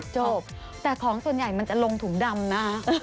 จบแต่ของส่วนใหญ่มันจะลงถุงดำนะฮะ